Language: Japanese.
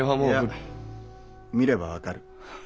いや見れば分かる。